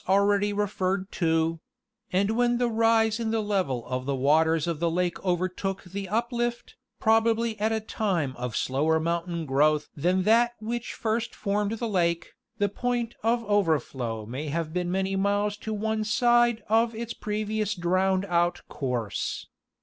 already referred to; and when the rise in the level of the waters of the lake overtook the uplift, probably at a time of slower mountain growth than that which first formed the lake, the poimt of overflow may have been many miles to one side of its previous drowned out course.